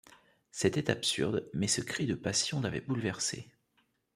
C’était absurde, mais ce cri de passion l’avait bouleversé.